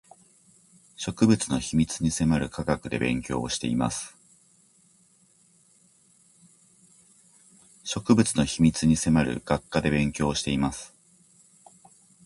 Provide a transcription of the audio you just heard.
植物の秘密に迫る学科で勉強をしています